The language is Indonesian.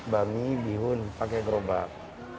bami bihun pake gerobak